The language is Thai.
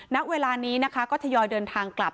ณเวลานี้นะคะก็ทยอยเดินทางกลับ